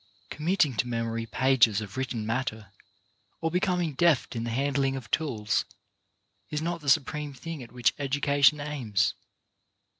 Committing to memory pages of written matter, or becoming deft in the handling of tools, is not the supreme thing at which education aims.